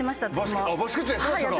バスケットやってましたか。